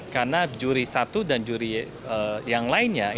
karena juri satu dan juri yang lainnya